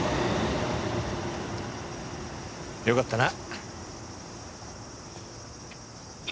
よかったな。